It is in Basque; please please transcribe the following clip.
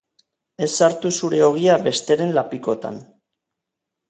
Ez sartu zure ogia besteren lapikotan.